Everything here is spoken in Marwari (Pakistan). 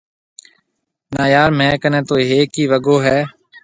نا يار ميه ڪنَي تو هيَڪ ئي وگو هيَ۔